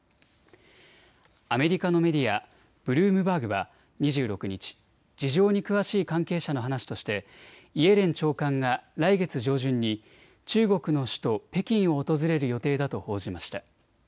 アメリカのメディア、ブルームバーグは２６日、事情に詳しい関係者の話としてイエレン長官が来月上旬に中国の首都北京を訪れる予定だと報じました。